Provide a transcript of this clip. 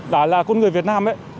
đã là con người việt nam ấy